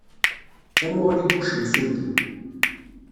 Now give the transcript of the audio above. Tamuɣli n wuccen s ulli.